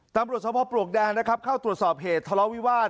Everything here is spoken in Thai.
ตามปรุศเศรษฐภาพปลวกแดงได้ครับข้าวตรวจสอบเหตุทะเลาวิวัต